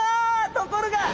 ところが！